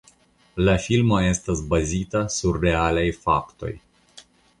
La filmo estas bazita sur realaj faktoj.